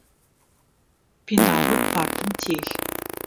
Пеналыр партым телъ.